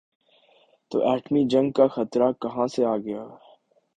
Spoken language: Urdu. تو ایٹمی جنگ کا خطرہ کہاں سے آ گیا؟